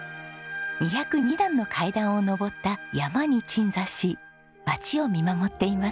２０２段の階段を上った山に鎮座し街を見守っています。